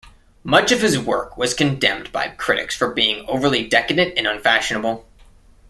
Much of his work was condemned by critics for being overly decadent and unfashionable.